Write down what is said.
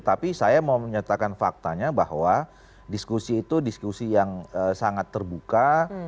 tapi saya mau menyatakan faktanya bahwa diskusi itu diskusi yang sangat terbuka